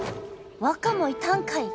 ワカもいたんかい！